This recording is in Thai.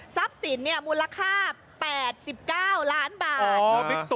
ทรัพย์สินเนี่ยมูลค่า๘๙ล้านบาท